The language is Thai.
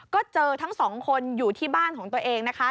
ก็เจอทั้งสองคนอยู่ที่บ้านของตัวเองนะคะ